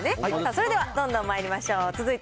それではどんどんまいりましょう。